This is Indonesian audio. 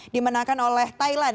dimenangkan oleh thailand